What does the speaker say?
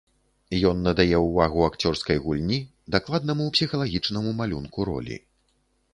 Ён надае ўвагу акцёрскай гульні, дакладнаму псіхалагічнаму малюнку ролі.